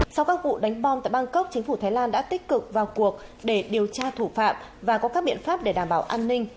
sau các vụ đánh bom tại bangkok chính phủ thái lan đã tích cực vào cuộc để điều tra thủ phạm và có các biện pháp để đảm bảo an ninh